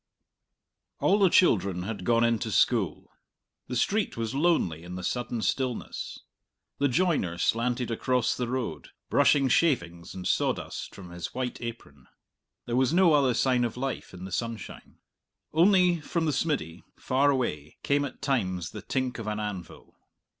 All the children had gone into school. The street was lonely in the sudden stillness. The joiner slanted across the road, brushing shavings and sawdust from his white apron. There was no other sign of life in the sunshine. Only from the smiddy, far away, came at times the tink of an anvil.